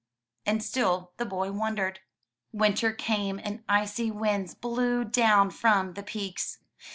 And still the boy wondered. Winter came and icy winds blew down from the peaks.